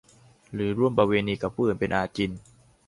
หรือร่วมประเวณีกับผู้อื่นเป็นอาจิณ